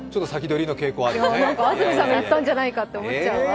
安住さんが言ったんじゃないかって思っちゃうわ。